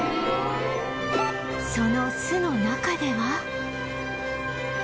その巣の中では